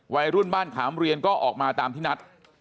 วัยรุ่นบ้านขามเรียนก็ออกมาตามที่นัด